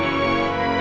aku mau ke rumah